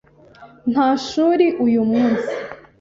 Nta shuri uyu munsi.